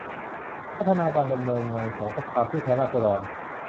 พัฒนาการดำเนินงานของสภาผู้แทนราษฎร